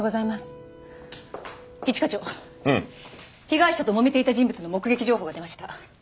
被害者ともめていた人物の目撃情報が出ました。